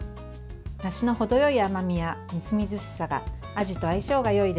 梨の程良い甘みやみずみずしさがあじと相性がよいです。